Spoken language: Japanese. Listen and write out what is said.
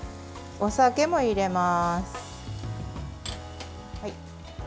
お砂糖入れます。